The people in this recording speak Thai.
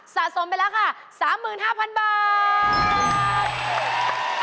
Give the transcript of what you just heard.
สะสมไปแล้วค่ะ๓๕๐๐๐บาท